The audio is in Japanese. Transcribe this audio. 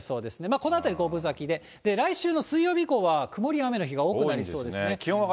このあたり５分咲きで、来週の水曜日以降は曇りや雨の日が多くなりそうですね。